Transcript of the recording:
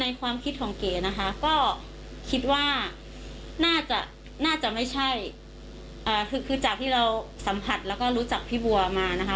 ความคิดของเก๋นะคะก็คิดว่าน่าจะน่าจะไม่ใช่คือจากที่เราสัมผัสแล้วก็รู้จักพี่บัวมานะคะ